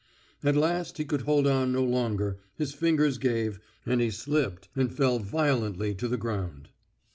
At last he could hold on no longer; his fingers gave, and he slipped and fell violently to the ground.